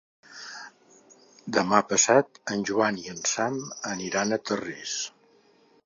Demà passat en Joan i en Sam aniran a Tarrés.